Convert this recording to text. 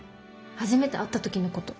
初めて会った時のこと。